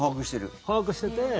把握してて。